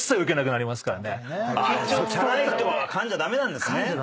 チャラい人はかんじゃ駄目なんですね。